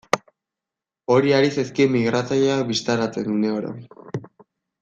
Hori ari zaizkigu migratzaileak bistaratzen, uneoro.